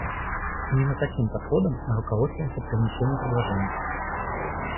Именно таким подходом мы руководствуемся при внесении предложений.